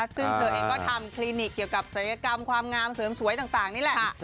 ซึ่งเธอเองก็ทำคลินิกเกี่ยวกับศัลยกรรมความงามเสริมสวยต่างนี่แหละ